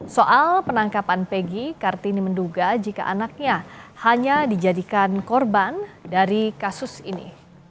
soal penangkapan pegi kartini menduga jika anaknya hanya dijadikan korban dari kasus ini